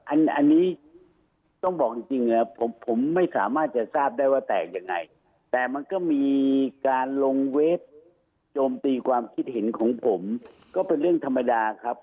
อันนี้ต้องบอกจริงผมไม่สามารถจะทราบได้ว่าแตกยังไงแต่มันก็มีการลงเว็บโจมตีความคิดเห็นของผมก็เป็นเรื่องธรรมดาครับ